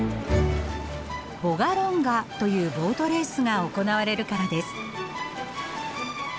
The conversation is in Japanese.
ヴォガロンガというボートレースが行われるからです。